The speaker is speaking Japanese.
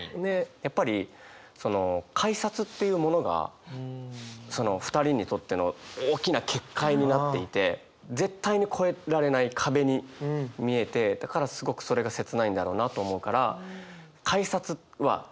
やっぱりその改札っていうものがその２人にとっての大きな結界になっていて絶対に越えられない壁に見えてだからすごくそれが切ないんだろうなと思うから。